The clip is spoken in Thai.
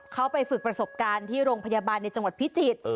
เขาไปฝึกประสบการณ์ที่โรงพยาบาลในจังหวัดพิจิตร